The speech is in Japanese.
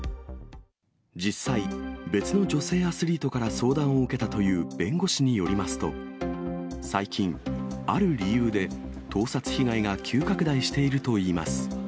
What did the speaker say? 実際、別の女性アスリートから相談を受けたという弁護士によりますと、最近、ある理由で盗撮被害が急拡大しているといいます。